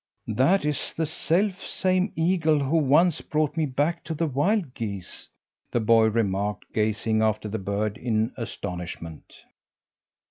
"That is the self same eagle who once brought me back to the wild geese," the boy remarked, gazing after the bird in astonishment.